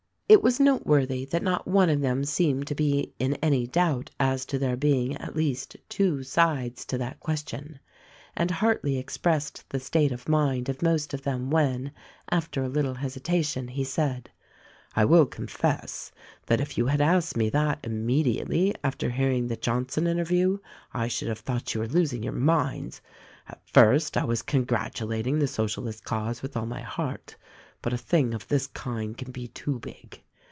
It was noteworthy that not one of them seemed to be in any doubt as to there being at least two sides to that ques tion ; and Hartleigh expressed the state of mind of most of them when, after a little hesitation, he said: "I will confess that if you had asked me that immediately after hearing the Johnson interview I should have thought you were losing your minds. At first I was congratulating the Socialist cause with all my heart ; but a thing of this kind can be too big.